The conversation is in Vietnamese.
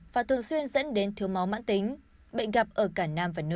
và thường xuyên dẫn đến thiếu máu mãn tính bệnh gặp ở cả nam và nữ